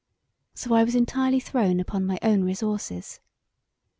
So I was entirely thrown upon my own resourses.